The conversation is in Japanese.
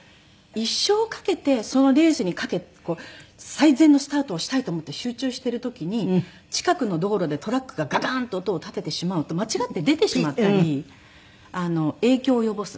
一生かけてそのレースに最善のスタートをしたいと思って集中している時に近くの道路でトラックがガガーンと音を立ててしまうと間違って出てしまったり影響を及ぼす。